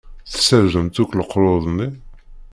Tessardemt akk leqlud-nni?